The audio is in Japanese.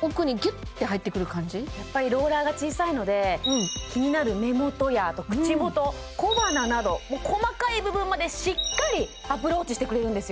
ホントにやっぱりローラーが小さいので気になる目元やあと口元小鼻など細かい部分までしっかりアプローチしてくれるんですよ